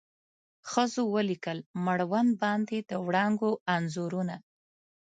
ښځو ولیکل مړوند باندې د وړانګو انځورونه